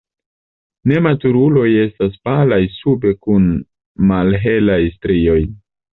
Nematuruloj estas palaj sube kun malhelaj strioj.